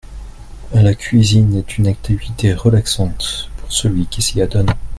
La cuisine est une activité relaxante pour celui qui s’y adonne.